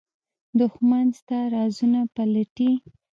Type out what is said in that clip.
دښمن ستا رازونه پلټي